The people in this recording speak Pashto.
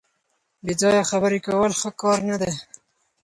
بې ځایه خبرې کول ښه کار نه دی.